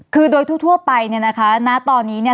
คือโดยทั่วไปเนี่ยนะคะณตอนนี้เนี่ย